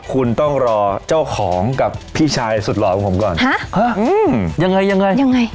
คุณต้องรอเจ้าของกับพี่ชายสุดหล่อของผมก่อนฮะอืมยังไงยังไง